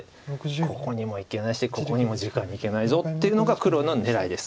ここにもいけないしここにもじかにいけないぞっていうのが黒の狙いです